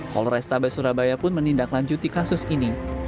polres tabe surabaya pun menindaklanjuti kasus ini